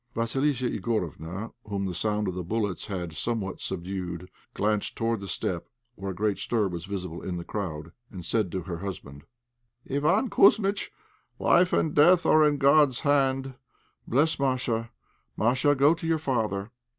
Vassilissa Igorofna, whom the sound of the bullets had somewhat subdued, glanced towards the steppe, where a great stir was visible in the crowd, and said to her husband "Iván Kouzmitch, life and death are in God's hands; bless Masha. Masha, go to your father."